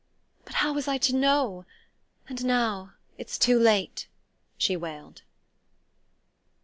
"But how was I to know? And now it's too late!" she wailed.